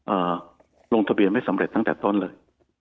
ลงทะเบียนไม่สำเร็จตั้งแต่ต้นเลย